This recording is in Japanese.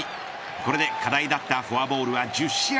これで課題だったフォアボールは１０試合